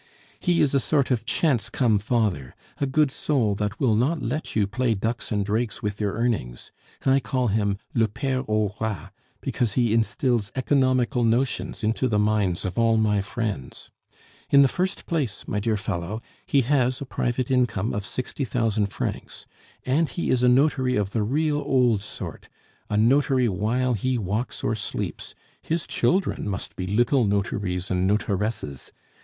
He is a sort of chance come father a good soul that will not let you play ducks and drakes with your earnings; I call him Le Pere aux Rats, because he instils economical notions into the minds of all my friends. In the first place, my dear fellow, he has a private income of sixty thousand francs; and he is a notary of the real old sort, a notary while he walks or sleeps; his children must be little notaries and notaresses.